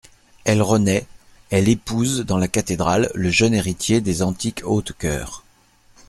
Elle renaît, elle épouse, dans la cathédrale, le jeune héritier des antiques Hautecoeur.